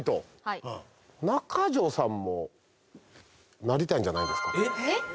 中条さんもなりたいんじゃないんですか？